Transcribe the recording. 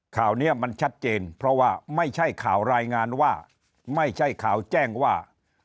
ข่าวนี้มันชัดเจนเพราะว่าไม่ใช่ข่าวรายงานว่าไม่ใช่ข่าวแจ้งว่า